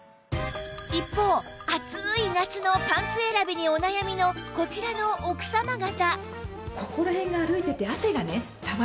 一方暑い夏のパンツ選びにお悩みのこちらの奥様方